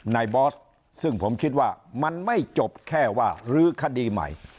บอสซึ่งผมคิดว่ามันไม่จบแค่ว่ารื้อคดีใหม่